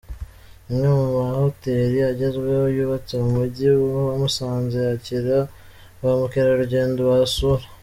Imwe mu mahoteli agezweho yubatse mu Mujyi wa Musanze yakira ba mukerarugendo bahasura.